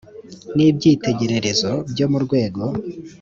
n ibyitegererezo byo mu rwego